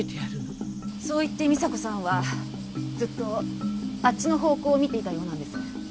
そう言って美沙子さんはずっとあっちの方向を見ていたようなんです。